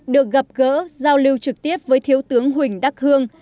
được gặp gỡ giao lưu trực tiếp với thiếu tướng huỳnh đắc hương